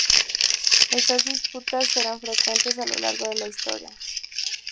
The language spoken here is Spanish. Estas disputas serán frecuentes a lo largo de la historia.